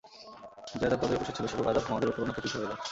যে আযাব তাদের উপর এসেছিল, সেরূপ আযাব তোমাদের উপরও না পতিত হয়ে যায়।